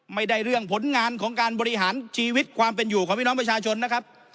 เรื่องผลงานของการบริหารชีวิตความเป็นอยู่ของพี่น้องประชาชนนะครับ